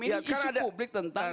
ini isu publik tentang